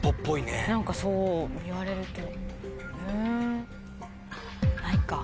何かそう言われると。